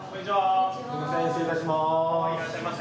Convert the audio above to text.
失礼いたします。